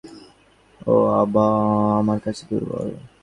এতদিন পরে সন্দীপ বুঝতে পেরেছে, ও আমার কাছে দুর্বল।